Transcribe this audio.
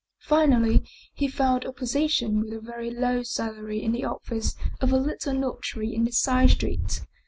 Finally, he found a position with a very low salary in the office of a little notary in a side street.